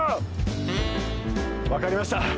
分かりました。